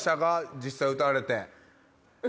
実際歌われて。